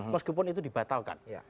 meskipun itu dibatalkan